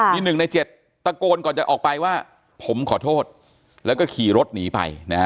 มี๑ใน๗ตะโกนก่อนจะออกไปว่าผมขอโทษแล้วก็ขี่รถหนีไปนะฮะ